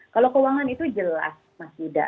kalau keuangan itu jelas mas yuda